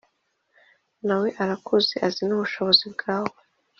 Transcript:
nawe arakuzi azi n’ubushobozi bwawe